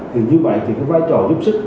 thì như vậy thì cái vai trò giúp sức